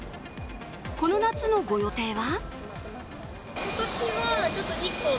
この夏のご予定は？